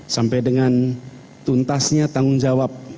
sampai dengan tuntasnya tanggung jawab